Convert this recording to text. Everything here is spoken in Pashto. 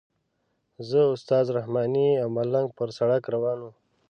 زه استاد رحماني او ملنګ پر سړک روان وو.